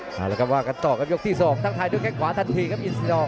แล้วก็ว่ากันต่อกับยกที่สองทางไทยด้วยแค่งขวาทันทีครับอินสินอง